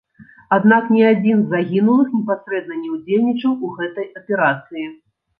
Аднак ні адзін з загінулых непасрэдна не ўдзельнічаў у гэтай аперацыі.